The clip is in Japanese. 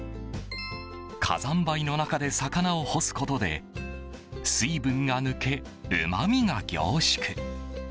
火山灰の中で魚を干すことで水分が抜け、うまみが凝縮。